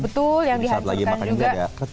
betul yang dihancurkan juga